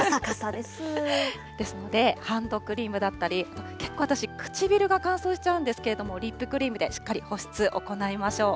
ですので、ハンドクリームだったり、結構私、唇が乾燥しちゃうんですけれども、リップクリームでしっかり保湿、行いましょう。